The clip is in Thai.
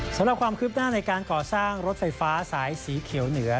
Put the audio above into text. สำหรับความคืบหน้าในการก่อสร้างรถไฟฟ้าสายสีเขียวเหนือ